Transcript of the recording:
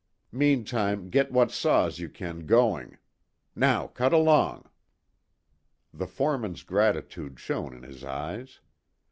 Meantime, get what saws you can going. Now cut along." The foreman's gratitude shone in his eyes.